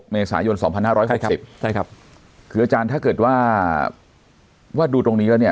เมษายน๒๕๖๐ใช่ครับคืออาจารย์ถ้าเกิดว่าว่าดูตรงนี้แล้วเนี่ย